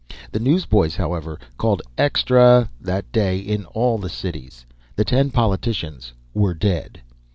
The newsboys, however, called "Extra" that day in all the cities. The ten politicians were dead.